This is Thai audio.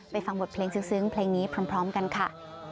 ฟังบทเพลงซึ้งเพลงนี้พร้อมกันค่ะ